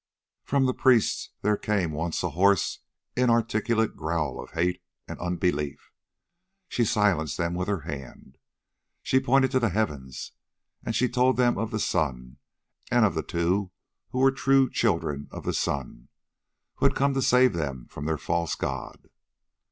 From the priests there came once a hoarse, inarticulate growl of hate and unbelief. She silenced them with her hand. She pointed to the heavens, and she told them of the sun and of the two who were true children of the sun, who had come to save them from their false god.